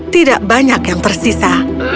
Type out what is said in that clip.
tidak banyak yang tersisa